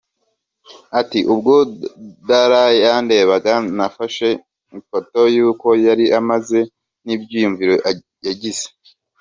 Ati “Ubwo Dara yandebaga, nafashe ifoto y’uko yari ameze n’ibyiyumviro yagize.